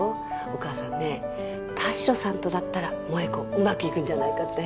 お母さんね田代さんとだったら萠子うまくいくんじゃないかって。